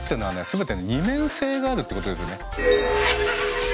全て二面性があるってことですよね。